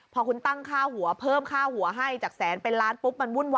พอคุณตั้งค่าหัวเพิ่มค่าหัวให้จากแสนเป็นล้าน